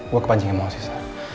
gue kepancing emosi sar